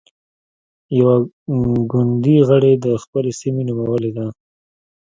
يوه ګوندي غړې د خپلې سيمې نومولې ده.